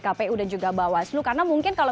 kpu dan juga bawaslu karena mungkin kalau